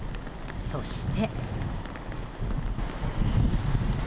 そして。